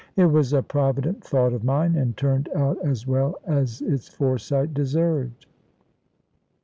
It was a provident thought of mine, and turned out as well as its foresight deserved.